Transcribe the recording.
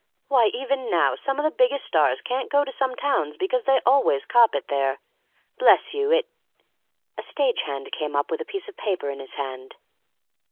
Why, even now some of the biggest stars can't go to some towns because they always cop it there. Bless you, it " A stage hand came up with a piece of paper in his hand.